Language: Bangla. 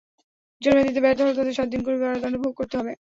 জরিমানা দিতে ব্যর্থ হলে তাঁদের সাত দিন করে কারাদণ্ড ভোগ করতে হবে।